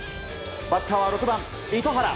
バッターは６番、糸原。